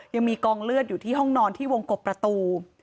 ยังมีกองเลือดอยู่ที่ห้องนอนที่วงกบประตู